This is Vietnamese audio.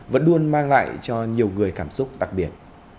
vẫn luôn mang lại cho nhiều người cảm xúc đặc biệt